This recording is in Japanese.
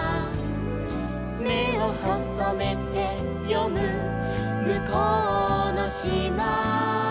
「めをほそめてよむむこうのしま」